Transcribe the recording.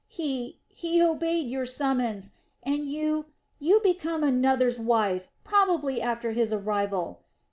He, he obeyed your summons. And you... you became another's wife; probably after his arrival...